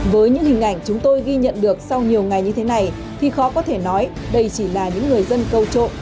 với những hình ảnh chúng tôi ghi nhận được sau nhiều ngày như thế này thì khó có thể nói đây chỉ là những người dân câu trộn